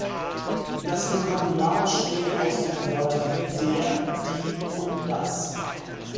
Das Vokabular bestehe aus den Wörtern „der“, „die“ und „das“.